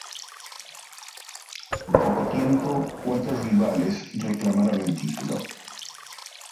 En poco tiempo, cuatro rivales reclamaron el título.